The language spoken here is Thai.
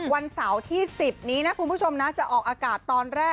วันเสาร์ที่๑๐นี้นะคุณผู้ชมนะจะออกอากาศตอนแรก